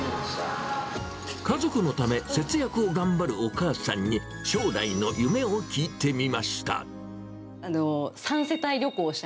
家族のため、節約を頑張るお母さんに、将来の夢を聞いてみました。